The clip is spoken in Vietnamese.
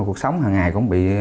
cuộc sống hằng ngày cũng bị